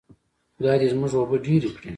خدای دې زموږ اوبه ډیرې کړي.